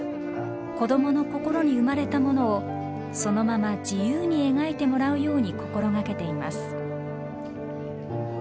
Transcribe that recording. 子どもの心に生まれたものをそのまま自由に描いてもらうように心掛けています。